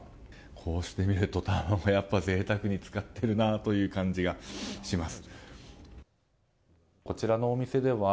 こうしてみると卵を贅沢に使ってるなという感じがします。